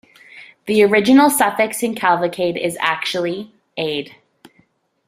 The original suffix in "cavalcade" is actually "-ade".